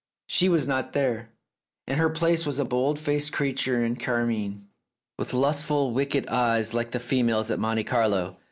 She was not there. In her place was a bold faced creature in carmine, with lustful, wicked eyes like the females at Monte Carlo.